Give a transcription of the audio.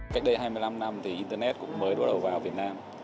cách đây hai mươi năm năm thì internet cũng mới đổ đầu vào việt nam